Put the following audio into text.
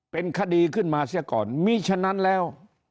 เป็นคดีขึ้นมาเสียก่อนมีฉะนั้นแล้ว